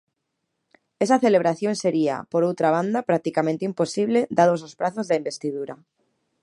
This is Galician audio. Esa celebración sería, por outra banda, practicamente imposible, dados os prazos da investidura.